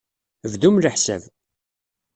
Bdum leḥsab.